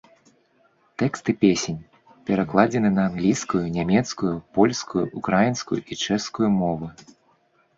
Тэксты песень перакладзены на англійскую, нямецкую, польскую, украінскую і чэшскую мовы.